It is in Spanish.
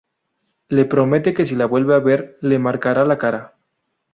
Le promete que si le vuelve a ver le marcará la cara.